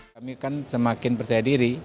kami kan semakin percaya diri